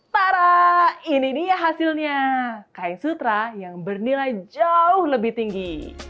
tara ini dia hasilnya kain sutra yang bernilai jauh lebih tinggi